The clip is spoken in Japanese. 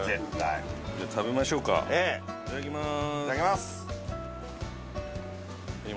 いただきます！